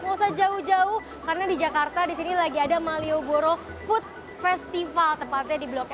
usah jauh jauh karena di jakarta di sini lagi ada malioboro food festival tepatnya di blok